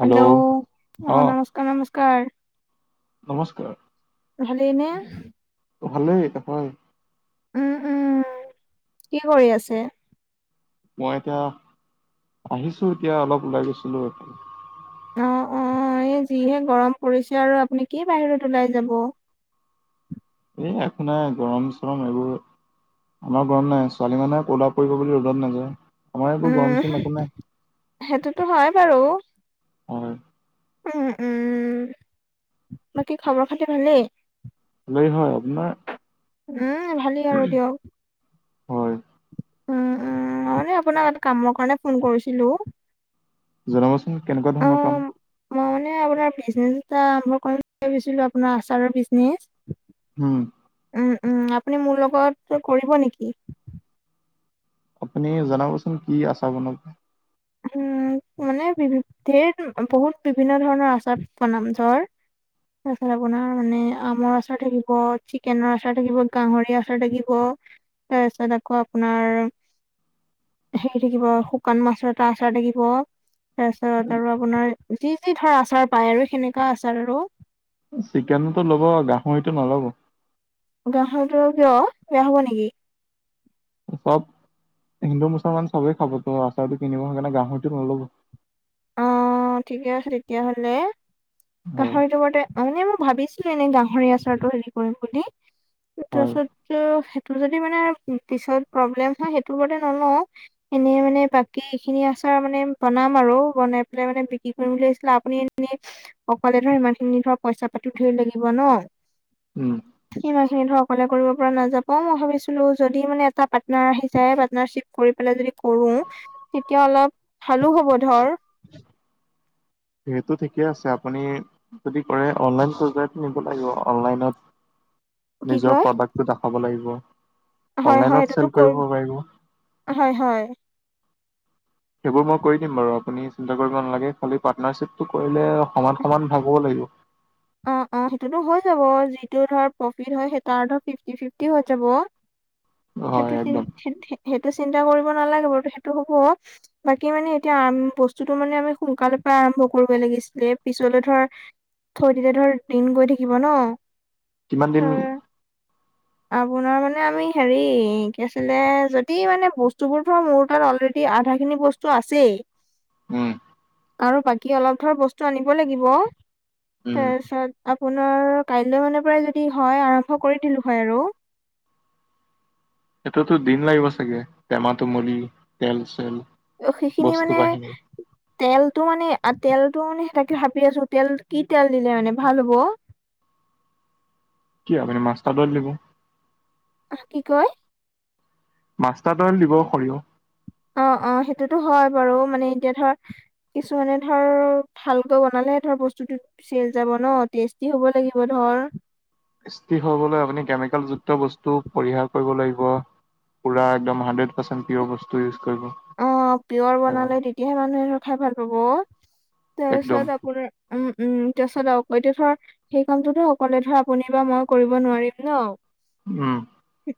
Hello hello অ নমস্কাৰ নমস্কাৰ। নমস্কাৰ ভালেইনে? ভালেই তাৰ পা উম উম। কি কৰি আছে? মই এতিয়া আহিছো। এতিয়া অলপ ওলাই গৈছিলো এফালে অ অ এই যিহে গৰম পৰিছে আৰু আপুনি কি বাহিৰত ওলাই যাব এহ আপোনাৰ গৰম চৰম এইবোৰ আমাৰ গৰম নাই। ছোৱালী মানুহে কলা পৰিব বুলি ৰ'দত নাযায়। আমাৰ একো উম গৰম চোম একো নাই। সেইটোতো হয়েই বাৰু। হয় উম উম। বাকী খবৰ খাতি ভালেই? [unintelligible] আপোনাৰ উম ভালেই আৰু দিয়ক। অতো। উ উম মানে আপোনাক এটা কামৰ কাৰণে ফোন কৰিছিলো। জনাবচোন কেনেকুৱা অ ধৰণৰ কাম? মই মানে আপোনাৰ বিজনেছ এটা আৰম্ভ কৰিম বুলি ভাবিছিলো, আপোনাৰ আচাৰৰ বিজনেছ। উম উম উম। আপুনি মোৰ লগত কৰিব নেকি? আপুনি জনাবচোন কি আচাৰ বনাব। উম মানে বিভি ধেৰ বহুত বিভিন্ন ধৰণৰ আচাৰ বনাম ধৰ তাৰ পিছত আপোনাৰ মানে আমৰ আচাৰ থাকিব, চিকেনৰ আচাৰ থাকিব, গাহৰি আচাৰ থাকিব। তাৰ পিছত আকৌ আপোনাৰ হেৰি থাকিব শুকান মাছত [unintelligible] আপোনাৰ যি যি ধৰ আচাৰ পায় আৰু সেনেকুৱা আচাৰ আৰু। চিকেনতো ল'ব গাহৰিতটো নলব। গাহৰিটো কিয় বেয়া হব নেকি? চব হিন্দু মুছলমান চবেই খাব তো আচাৰটো কিনিব। সেইকাৰণে গাহৰিটো নলব অঁ ঠিকে আছে তেতিয়াহলে ত' হয় সেইটো মতে- মানে মই ভাবিছিলো এনেই গাহৰি আচাৰটো হেৰি কৰিম বুলি হয় তাপাছত তো- টো যদি মানে পিছত প্ৰব্লেম হয় সেইটো হলে নলও। এনেই মানে বাকী ইখিনি আচাৰ মানে বনাম আৰু বনাই- নে মানে বিক্ৰী কৰিম বুলি ভাবিছিলে আপুনি এনেই- অকলে ধৰ ইমান খিনি ধৰ পইচা পাতিও ধেই লাগিব ন। উম সিমান খিনি ধৰ অকলে কৰিব- নাযাব যাবও মই ভাবিছিলো যদি মানে এটা পাৰ্টনাৰ আহি যায় পাৰ্টনাৰশ্বিপ কৰি পেলাই যদি কৰো- তেতিয়া অলপ ভালো হ'ব ধৰ। সেইটো ঠিকে আছে, আপুনি যদি কৰে অনলাইন পৰ্যায়ত নিব লাগিব অনলাইনত- [inaudible] নিজৰ কয় প্ৰডাক্টটো দেখাব লাগিব হয় হয় অনলাইনত সেইটোতো চেল কৰি কৰিব পাৰিব। হয় হয়। সেইবোৰ মই কৰি দিম বাৰু আপুনি চিন্তা কৰিব নালাগে খালী পাৰ্টনাৰশ্বিপটো কৰিলে- সমান সমান ভাগও লাগিব। অঁ অঁ সেইটোতো হৈ যাব যিটো ধৰ প্ৰফিট হয় সেইতাৰটো ফিফটি ফিফটি হৈ যাব। হয় সেইটো একদম সেইটো চিন্তা কৰিব নালাগে বাৰুতো সেইটো হ'ব। বাকী মানে এতিয়া বস্তুটো মানে আমি সোনকালৰ পৰা আৰম্ভ কৰিব লাগিছিলে পিছলৈ ধৰা- থৈ দিলে ধৰ দিন গৈ থাকিব ন। কিমান ত দিন? আপোনাৰ মানে আমি হেৰি কি আছিলে যদি মানে বস্তুবোৰ ধৰা মোৰ তাত অলৰেডি- ডি আধা খিনি বস্তু আছেই। উম' আৰু বাকী অলপ ধৰ বস্তু আনিব লাগিব উম তাৰপিছত- আপোনাৰ কাইলৈ মানে পৰাই যদি হয় আৰম্ভ কৰি দিলো হয় আৰু। এটোতো দিন লাগিব চাগে টেমা তুমলি তেল চেল। ত' সেইখিনি বস্তু মানে- বাহিনী তেলটো মানে তেলটো মানে তাকে ভাবি আছো তেল কি তেল দিলে মানে ভাল হ'ব। কি পাবি নো মাষ্টাৰ অইল দিব। আহ' কি কয়? মাষ্টাট অইল দিব সৰিয়হ। অঁ অঁ সেইটোতো হয় বাৰু মানে এতিয়া ধৰ- কিছুমানে ধৰ ভালকৈ বনালে ধৰ বস্তুটো- চেল যাব ন টেষ্টি হ'ব লাগিব ধৰ। টেষ্টি হবলৈ আপুনি কেমিকেলযুক্ত বস্তু পৰিহাৰ কৰিব লাগিব। পুৰা একদম হান্ড্ৰেড পাৰ্চেণ্ট পিয়ৰ বস্তু ইউজ কৰিব। অঁ পিয়ৰ অ', বনালে তেতিয়াহে মানুহ এ খাই ভাল পাব একদম তাৰপিছত আপোনাৰ- উম উম' তাৰপিছত আৰু এতিয়া ধৰ- সেই কামটোতো অকলে ধৰ আপুনি বা মই কৰিব নোৱাৰিম ন। উম'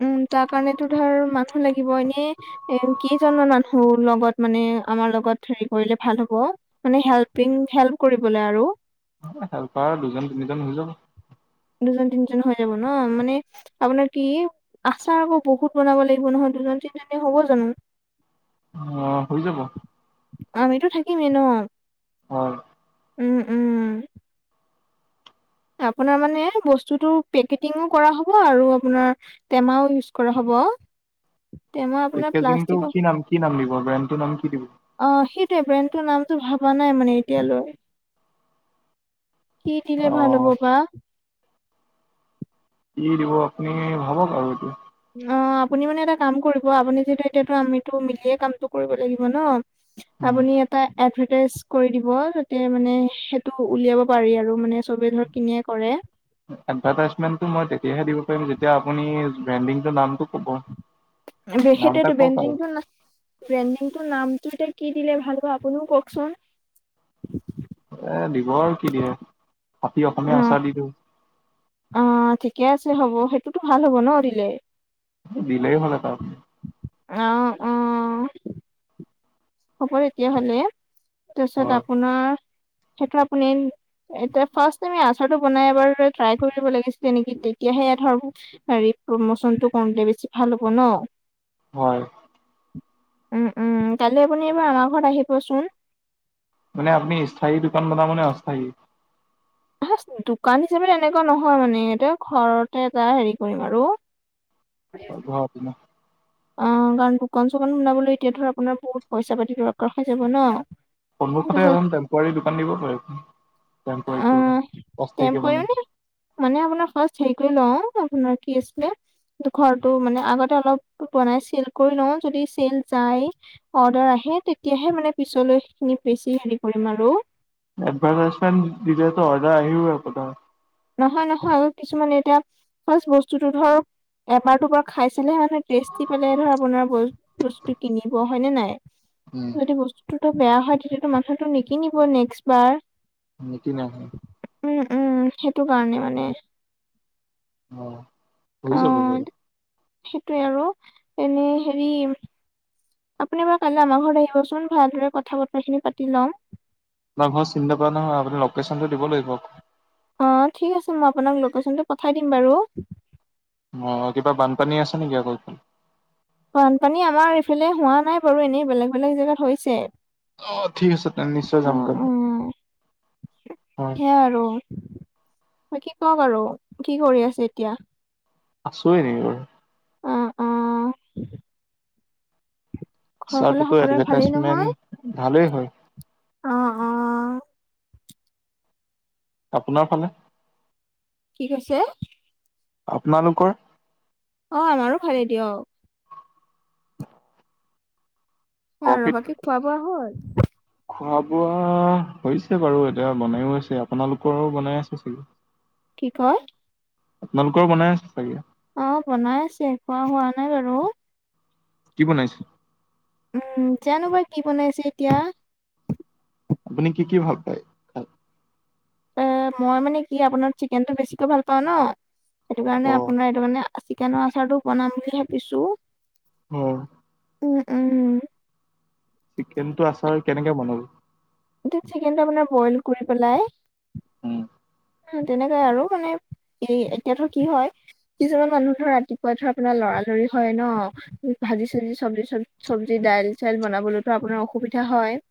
উম' তাৰ কাৰণেতো ধৰ মানুহ লাগিব এনেই এ কেইজনমান মানুহ- হু লগত মানে আমাৰ লগত হেৰি কৰিলে ভাল হ'ব। মানে হেল্পিং হেল্প কৰিবলে আৰু। হেল্পাৰ দুজন তিনিজন হৈ যাব। দুজন তিনিজন হৈ যাব ন মানে- আপোনাৰ কি আচাৰ আকৌ বহুত বনাব লাগিব নহয়, দুজন তিনজনী হ'ব জানো? [inaudible] অঁ হৈ যাব। আমিতো থাকিমেই ন। হয়। উম, উম। আপোনাৰ মানে বস্তুটো পেকেটিঙো কৰা হ'ব আৰু আপোনাৰ- টেমাও ইউজ কৰা হ'ব। টেমা- আপোনাৰ পেকেজিংটো প্লাষ্টিকৰ কি নাম, কি নাম দিব ব্ৰেণ্ডটোৰ নাম কি দিব? অঁ সেইটোৱেই ব্ৰেণ্ড নামটো ভবা নাই মানে এতিয়ালৈ। কি দিলে অ ভাল হ'ব বা। কি দিব আপুনি ভাৱক আৰু এইটো। অঁ আপুনি মানে এটা কাম কৰিব, আপুনি যিহেতু এতিয়াতো আমিতো মিলিয়ে কামটো কৰিব লাগিব ন। উম, আপুনি- এটা এডভাৰটাইজ কৰি দিব যাতে মানে সেইটো উলিয়াব পাৰি আৰু মানে চবেই ধৰ কিনিয়ে কৰে। এডভাৰটাইজটো মই তেতিয়াহে দিব পাৰিম যেতিয়া আপুনি ব্ৰেণ্ডিং নামটো কব। নাম এটা সেইটোৱেতো, কওক আৰু ব্ৰেণ্ডিংটো নাম- ব্ৰেণ্ডিং নামটো এতিয়া কি দিলে ভাল হব আপুনিও কওঁক চোন। এ দিব আৰু কি দিয়ে, খাতি অসমীয়া অ', আচাৰ দি দিওঁ। অ' ঠিকে আছে হ'ব, সেইটোতো ভাল হ'ব ন' দিলে। দিলেই হ'ল ত। অঁ, অঁ। হ'ব তেতিয়া হ'লে। তাৰপিছত হয় আপোনাৰ, সেইটো আপুনি- এতিয়া ফাষ্ট আমি আচাৰটো বনাই এবাৰ ট্ৰাই কৰিব লাগিছিলে নেকি তেতিয়াহে ধৰ- হেৰি প্ৰমোচনটো কওঁতে বেছি ভাল হ'ব ন'। হয়। উম, উম, কালিলৈ আপুনি এবাৰ আমাৰ ঘৰত আহিবচোন। মানে আপুনি স্থায়ী দোকান বানাবনে অস্থায়ী? ফাৰ্ষ্ট দোকান হিচাপে তেনেকুৱা নহয় মানে এইটো, ঘৰতে এটা হেৰি কৰিম আৰু। হলো আপোনাৰ- অঁ কাৰণ দোকান চোকান বুনাবলৈ এতিয়া ধৰা আপোনাৰ বহুত পইচা পাতি দৰকাৰ হৈ যাব ন'। সন্মুখতে তাৰপিছত এখন টেম্পৰাৰী দোকান দিব পাৰিব টেম্পৰাৰীকে, আহ অস্থায়ীকে মানে। মানে আপোনাৰ ফাৰ্ষ্ট হেৰি কৰি লওঁ, আপোনাৰ কি আছিলে? ঘৰটো মানে আগতে অলপতো বনাইছিল, কৰি লওঁ যদি চেল যায়। অৰ্ডাৰ আহে তেতিয়াহে মানে পিছলৈ সেইখিনি বেছি হেৰি কৰিম আৰু। এদভাৰটাইচমেণ্ট দিলেতো অৰ্ডাৰ আহি একোতা। নহয়, নহয় আৰু কিছুমানে এতিয়া ফাৰ্ষ্ট বস্তুটো ধৰ এবাৰ দুবাৰ খাইছিলেহে। টেষ্টি পালে ধৰা আপোনৰ বস্তু কিনিব হয় নে নাই? উম। যদি বস্তুতোটো বেয়া হয় তেতিয়াতো মানুহেটো নিকিনিব নেক্স বাৰ। নিকিনে হয়। উম, উম, সেইটো কাৰণে মানে। অঁ হৈ যাব, অ' যাব। সেইটোৱে আৰু, এনে হেৰি- আপুনি বাৰু কালিলৈ আমাৰ ঘৰত আহিবচোন ভালদৰে কথা বতৰাখিনি পাতি ল'ম। আপোনাৰ ঘৰ চিন নাপাওঁ নহয় আপুনি লোকেশ্যনটো দিব লাগিব। অ', ঠিক আছে মই আপোনাক লোকেশচনটো পঠাই দিম বাৰু। অ', কিবা বানপানী আছে নেকি আকৌ সেইফালে? বানপানী আমাৰ এইফালে হোৱা নাই বাৰু এনেই বেলেগ বেলেগ জেগাত হৈছে। অ', ঠিক আছে তেন্তে নিশ্চয় যাম অ', কাইলে অ', হয়, সেয়াই আৰু। বাকি কোৱা বাৰু, কি কৰি আছা এতিয়া? আছো এনে বাৰু। অ', অ'। ঘৰৰ ফালে ছাৰটোতো সকলোৰে ভালেই নহয়? এডভাৰটাইজমেণ্ট ভালেই হয়। অ', অ'। আপোনাৰ ফালে? কি কৈছে? আপোনালোকৰ? অ', আমাৰো ভালে দিয়ক। অ', প্ৰফিট ৰ'বা কি খোৱা বোৱা হ'ল। খোৱা বোৱা হৈছে বাৰু এতিয়া বনাইয়ো আছে আপোনালোকৰো বনাই আছে চাগে। কি কয়? আপোনালোকৰ বনাই আছে চাগে? অ', বনাই আছে খোৱা হোৱা নাই বাৰু। কি বনাইছে? উম, জানো বা কি বনাইছে এতিয়া। আপুনি কি কি ভাল পায়? খাই? এ মই মানে কি আপোনাৰ চিকেনটো বেছিকৈ ভাল পাওঁ ন। সেইটো কাৰণে অ', আপোনাৰ এইটো মানে চিকেনৰ আচাৰতো বনাম বুলি ভাবিছো। হম। উম, উম। চিকেনটো আচাৰ কেনেকে বনাব? এতিয়া চিকেনটো আপোনাৰ বইল কৰি পেলাই। উম তেনেকাই আৰু মানে এ এতিয়াতো কি হয়। কিছুমান মানুহ ৰাতিপুৱা ধৰা আপোনাৰ লৰা লৰি হয় ন। ভাজি চাজি চব্জি চব চব্জি দাইল চাইল বনাবলৈতো আপোনাৰ অসুবিধা হয়।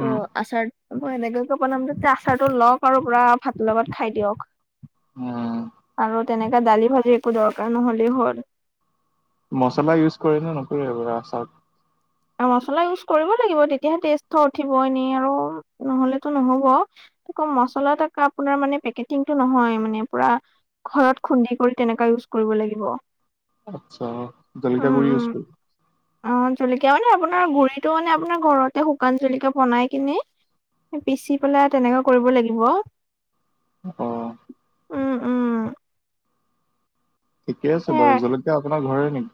ত' আচাৰ মই এনেকোৱাকৈ কে বনাম যে আচাৰটো লওঁক আৰু পুৰা ভাতৰ লগত খাই দিয়ক। আৰু তেনেকা দালি ভাজি একো দৰকাৰ নহ'লেও হ'ল। মছলা ইউজ কৰেনে নকৰে আচাৰত? মচলা ইউজ কৰিব লাগিব তেতিয়াহে টেষ্ট এটা উঠিব এনেই আৰু নহ'লেতো নহ'ব। আকৌ মচলা আপোনাৰ মানে পেকেটিংটো নহয় মানে পুৰা ঘৰত খুন্দি কৰি তেনেকা ইউজ কৰিব লাগিব। আচ্ছা জলকীয়া উম, গুৰি উম। ইউজ কৰিব। অ', জলকীয়া মানে আপোনাৰ গুৰিতটো মানে আপোনাৰ ঘৰতে শুকান জলকীয়া বনাই কিনে। পিচি পেলাই তেনেকুৱা কৰিব লাগিব। অ'। উম, উম। ঠিকে আছে সেয়াই। বাৰু, জলকীয়া আপোনাৰ ঘৰৰে নেকি?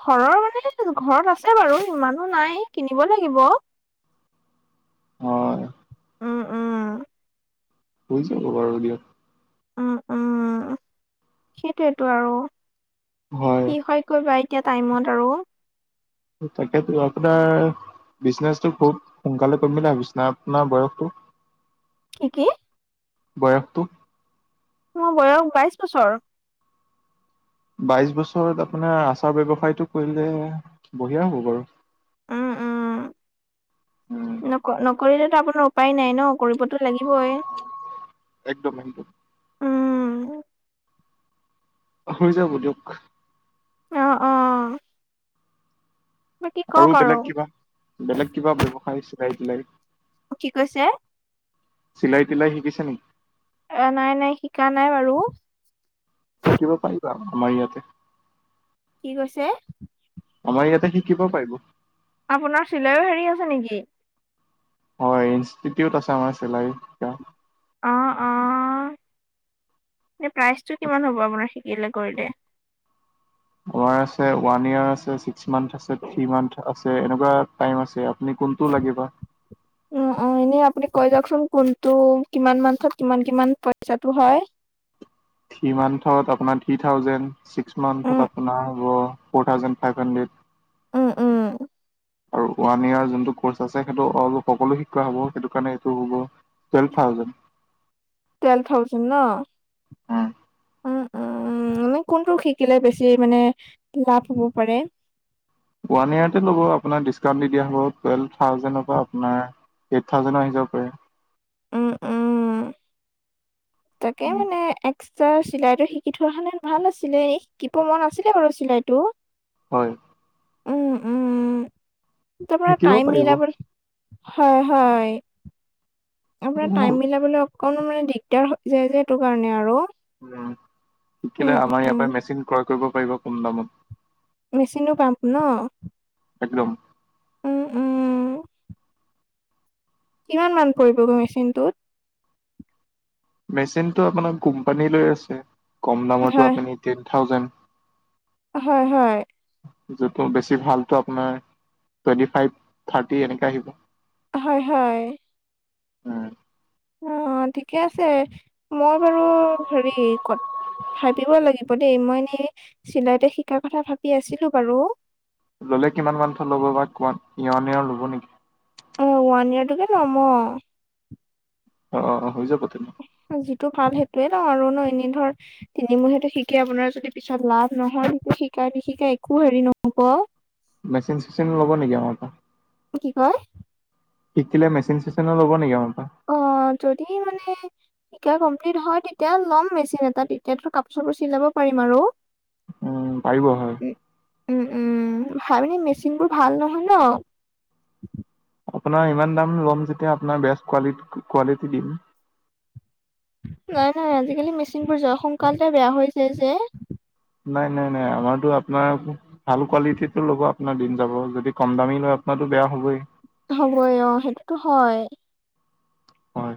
ঘৰৰ মানে ঘৰত আছে বাৰু ইমানো নাই কিনিব লাগিব। হয় উম, উম। হৈ যাব বাৰু দিয়া উম উম সেইটোয়েতো আৰু কি হয় কৰিবা এতিয়া টাইমত আৰু তাকেতো আপোনাৰ বিজনেচো বহুত সোনকালে কৰিম বুলি ভাবিছ আপোনাৰ বয়সটো কি কি বয়সটো মো বয়স বাইছ বছৰ। বাইছ বছৰত আপোনাৰ আচাৰ ব্যৱসায়টো কৰিলে বঢ়িয়া হ'ব বাৰু। উম উম উম নক নকৰিলেতো আপোনাৰ উপায় নাই ন কৰিবতো লাগিবই। একদম উম হৈ যাব দিয়ক। অ অ বাকী কওক আৰু বেলেগ কিবা বেলেগ কিবা ব্যৱসায় চিলাই তিলাই কি কৈছে চিলাই তিলাই শিকিছা নেকি এ নাই নাই শিকা নাই বাৰু শিকিব পাৰিবা আমাৰ ইয়াতে কি কৈছে আমাৰ ইয়াতে শিকিব পাৰিব আপোনাৰ চিলাইও হেৰি আছে নেকি হয় ইনষ্টিটিউট আছে আমাৰ চিলাই শিকা অ অ এ প্ৰাইজটো কিমান হ'ব আপোনাৰ শিকিলে কৰিলে আমাৰ আছে ওৱান ইয়াৰ আছে ছিক্স মান্থ আছে থ্ৰী মান্থ আছে এনেকুৱা টাইম আছে। এনে কোনটো লাগেবা অ অ এনে আপুনি কৈ যাওকচোন কোনটো কিমান মান্থত কিমান কিমান পইচাটো হয়। থ্ৰী মান্থত আপোনাৰ থ্ৰী থাউজেড ছিক্স উম, মান্থত আপোনাৰ হ'ব ফৰ থাউজেণ্ড ফাইভ হাণ্ড্ৰেড। উ উ আৰু ওৱান ইয়াৰ যোনটো কৰ্চ আছে সেইটো অ সকলো শিক্ষোৱা হ'ব সেইটো কাৰণে এইটো হ'ব। তোৱেলফ থাউজেণ্ড টুৱেল থাউজেণ্ড ন উ উ এনে কোনটো শিকিলে বেছি মানে লাভ হ'ব পাৰে ওৱান ইয়াৰতে ল'ব আপোনাৰ ডিছকাউণ্ট দি দিয়া হ'ব টুৱেল্ভ থাউজেণ্ডৰ পৰা আপোনাৰ এইথ থাওজেনো আহিব জাব পাৰে উ উ তাকে মানে এক পিছে চিলাই টো শিকি থোৱা হলে ভাল আছিলে এ শিকিব মন আছিলে বাৰু চিলাই টো হয় উম উম তাৰপৰা শিকিব টাইম পাৰিব মিলাব হয় হয় আপোনাৰ উম, টাইম মিলাবলে অক কণমান মানে দিগদাৰ হৈ যায় যে সেইটো কাৰণে আৰু উম উম, শিকিলে আমাৰ ইয়াৰ উম, পৰাই মেচিন ক্ৰয় কৰিব পাৰিব কম দামত মেচিনো পাম্প ন একদম উম উম কিমান মান পৰিবগৈ মেচিনটোত? মেচিনটো আপোনাৰ কোম্পানী লৈ আছে, কম দামতো হয়। আপুনি টেন থাউজেণ্ড। হয় হয়। যোনতো বেছি ভালটো আপোনাৰ টুৱেন্টি ফাইভ থাৰ্টি এনেকে আহি যায়। হয় হয়। উমঁ'। অঁ' ঠিকে আছে, মই বাৰু হেৰি কত ভাবিব লাগিব দেই, মই এনেই চিলাইতো শিকাৰ কথা ভাবি আছিলো বাৰু। ল'লে কিমান মানটো ল'ব বা কোৱা, [unintelligible] ল'ব নেকি? অঁ' ওৱান ইয়াৰ টোকে লম অঁ। অহ-অহ' হৈ যাব তেনে। যিটো ভাল সেইটোয়ে লম আৰু ন' এনেই ধৰ তিনিমুহিয়াটো শিকে আপোনাৰ যদি পিছত লাভ নহয় সেইটো শিকাই নিশিকাই একো হেৰি নহ'ব। মেচিন চেচিন ল'ব নেকি আমাৰ পৰা? কি কয়? শিকিলে মেচিন চেচিনো ল'ব নেকি আমাৰ পৰা? অঁ' যদি মানে যেতিয়া কমপ্লিট হয় তেতিয়া ল'ম মেচিন এটা, তেতিয়াতো কাপোৰ-চাপোৰ চিলাব পাৰিম আৰু। উমঁ' পাৰিব হয়। উমঁ' উমঁ' ভাল মানে মেচিনবোৰ ভাল নহয় ন। আপোনাৰ ইমান দাম ল'ম যেতিয়া আপোনাৰ বেষ্ট ক কোৱালিটিতো দিম। নাই নাই, আজিকালি মেচিনবোৰ যে সোনকালতে বেয়া হৈ যায় যে। নাই নাই নাই, আমাৰতো আপোনাৰ ভাল কোৱালিটিতো ল'ব আপোনাৰ দিন যাব। যদি কম দামী লয় আপোনাৰতো বেয়া হ'বই। হ'বই অঁ' সেইটোতো হয়। হয়।